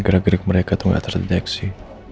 gara gara mereka tuh gak terdeteksi